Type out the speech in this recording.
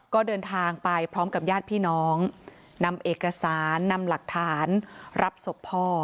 ก็เดินทางไปพร้อมกับญาติพี่น้องนำเอกสารนำหลักฐานรับศพพ่อ